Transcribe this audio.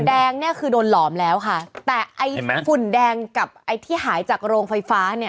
แดงเนี่ยคือโดนหลอมแล้วค่ะแต่ไอ้ฝุ่นแดงกับไอ้ที่หายจากโรงไฟฟ้าเนี่ย